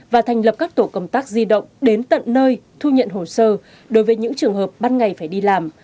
và thành lập các tổ công tác di động đến tận nơi thu nhận hồ sơ đối với những trường hợp bắt ngày phải đi làm